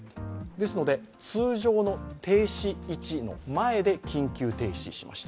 ですので通常の停止位置の前で緊急停止しました。